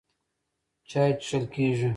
چای څښل کېږي.